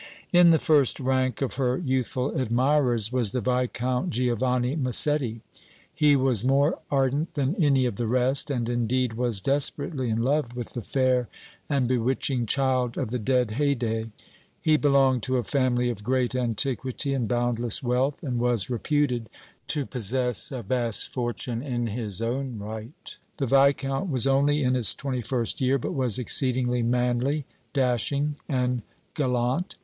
In the first rank of her youthful admirers was the Viscount Giovanni Massetti. He was more ardent than any of the rest and, indeed, was desperately in love with the fair and bewitching child of the dead Haydée. He belonged to a family of great antiquity and boundless wealth, and was reputed to possess a vast fortune in his own right. The Viscount was only in his twenty first year, but was exceedingly manly, dashing and gallant.